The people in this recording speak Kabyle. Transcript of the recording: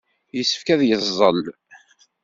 Yessefk ad yeẓẓel.